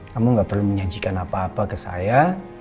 kamu gak perlu menyajikan apa apa ke saya